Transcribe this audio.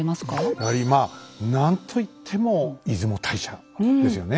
やはりまあ何といっても出雲大社ですよね。